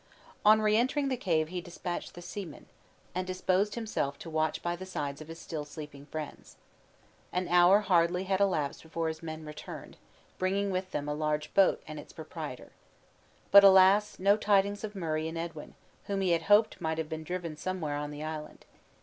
On re entering the cave he dispatched the seamen, and disposed himself to watch by the sides of his still sleeping friends. An hour hardly had elapsed before the men returned, bringing with them a large boat and its proprietor. But, alas! no tidings of Murray and Edwin, whom he had hoped might have been driven somewhere on the island.